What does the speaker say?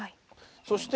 そして。